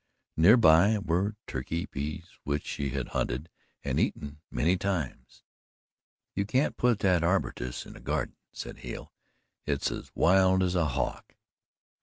Near by were turkey peas, which she had hunted and eaten many times. "You can't put that arbutus in a garden," said Hale, "it's as wild as a hawk."